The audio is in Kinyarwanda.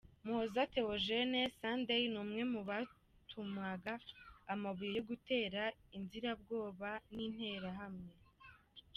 Muhoza Theogene Sunday ni umwe mu batumwaga amabuye yo gutera inzirabwoba n’Interahamwe.